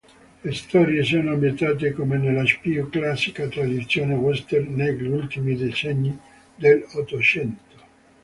Le storie sono ambientate, come nella più classica tradizione western, negli ultimi decenni dell'Ottocento.